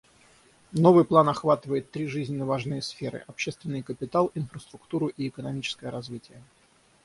Новый план охватывает три жизненно важные сферы: общественный капитал, инфраструктуру и экономическое развитие.